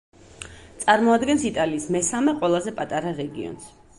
წარმოადგენს იტალიის მესამე ყველაზე პატარა რეგიონს.